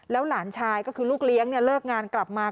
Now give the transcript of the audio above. หลานชายก็คือลูกเลี้ยงเลิกงานกลับมา